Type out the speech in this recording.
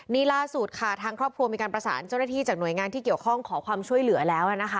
นี่ล่าสุดค่ะทางครอบครัวมีการประสานเจ้าหน้าที่จากหน่วยงานที่เกี่ยวข้องขอความช่วยเหลือแล้วนะคะ